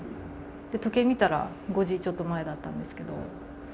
時計見たら５時ちょっと前だったんですけど。